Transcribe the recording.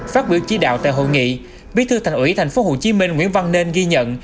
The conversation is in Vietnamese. phát biểu trí đạo tại hội nghị bí thư thành hủy tp hcm nguyễn văn nên ghi nhận